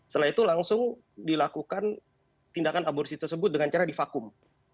setelah itu langsung dilakukan tindakan aborsi tersebut dengan cara divakum